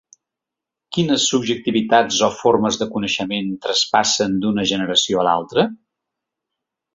Quines subjectivitats o formes de coneixement traspassen d’una generació a l’altra?